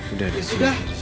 sudah ada sih